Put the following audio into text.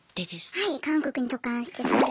はい韓国に渡韓してソウルで。